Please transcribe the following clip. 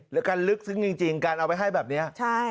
และการลึกซึ้งจริงการเอาไปให้แบบนี้